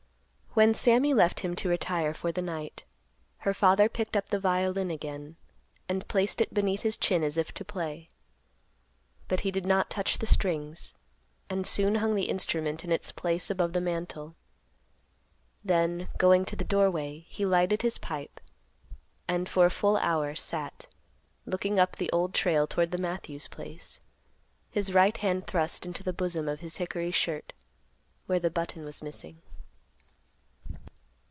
When Sammy left him to retire for the night, her father picked up the violin again, and placed it beneath his chin as if to play; but he did not touch the strings, and soon hung the instrument in its place above the mantel. Then, going to the doorway, he lighted his pipe, and, for a full hour, sat, looking up the Old Trail toward the Matthews place, his right hand thrust into the bosom of his hickory shirt, where the button was missing.